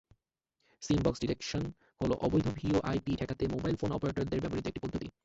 সিম box detection হলো অবৈধ VoIP ঠেকাতে মোবাইল ফোন অপারেটরদের ব্যবহৃত একটি পদ্ধতি।